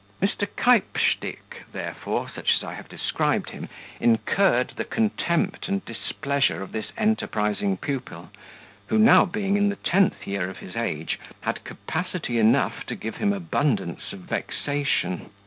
Mr. Keypstick, therefore, such as I have described him, incurred the contempt and displeasure of this enterprising pupil, who now being in the tenth year of his age, had capacity enough to give him abundance of vexation.